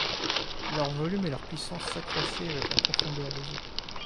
Leur volume et leur puissance s’accroissaient avec la profondeur des eaux.